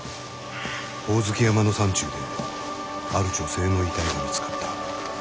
ホオズキ山の山中である女性の遺体が見つかった。